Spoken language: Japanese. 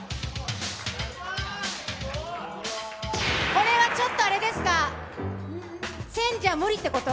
これはちょっとあれですか１０００じゃ無理ってこと？